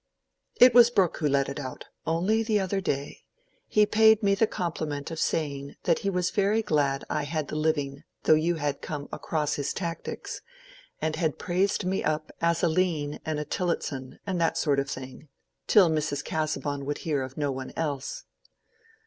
"It was Brooke who let it out, only the other day. He paid me the compliment of saying that he was very glad I had the living though you had come across his tactics, and had praised me up as a Ken and a Tillotson, and that sort of thing, till Mrs. Casaubon would hear of no one else."